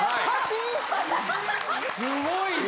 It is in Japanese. すごいな。